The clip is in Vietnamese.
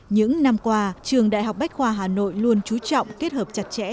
những năm qua trường đại học bách khoa hà nội luôn trú trọng kết hợp chặt chẽ